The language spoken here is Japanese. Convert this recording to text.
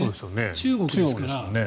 中国ですから。